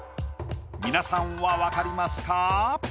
皆さんは分かりますか？